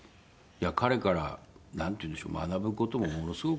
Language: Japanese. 彼からなんていうんでしょう学ぶ事もものすごく多くて。